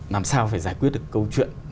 làm sao phải giải quyết được câu chuyện